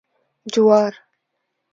🌽 جوار